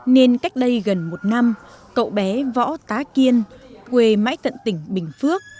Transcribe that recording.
nên cách đây gần một năm cậu bé võ tá kiên quê mãi tận tỉnh bình phước